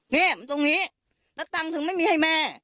นี่มันตรงนี้แล้วตังค์ถึงไม่มีให้แม่